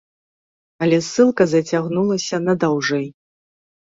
Але ссылка зацягнулася надаўжэй.